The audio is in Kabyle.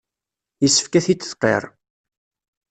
Yessefk ad t-id-tqirr.